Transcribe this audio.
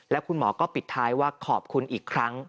และคุณหมอก็ปิดท้ายว่าขอบคุณอีกครั้ง